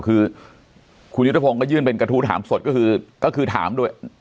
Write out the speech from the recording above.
คือคุณยุทธพงศ์ก็ยื่นเป็นกระทู้ถามสดก็คือก็คือถามด้วย